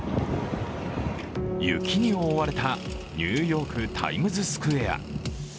雪に覆われたニューヨークタイムズスクエア。